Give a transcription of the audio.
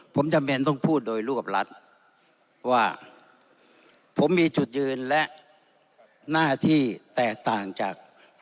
ผมจำเป็นต้องพูดโดยรูปรัฐว่าผมมีจุดยืนและหน้าที่แตกต่างจาก